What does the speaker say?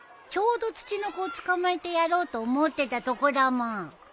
ちょうどツチノコを捕まえてやろうと思ってたとこだもん。